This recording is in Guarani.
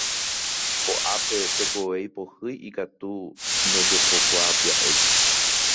Koʼápe tekove ipohýi ikatu ndojepokuaapyaʼéi.